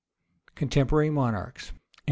Contemporary Monarchs. EMP.